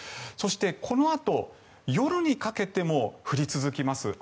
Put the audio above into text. そして、このあと夜にかけても降り続きます。